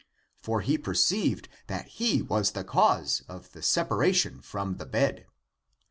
*^^ For he perceived that he was the cause of the separation from the bed.